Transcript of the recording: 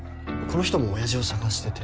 この人も親父を捜してて。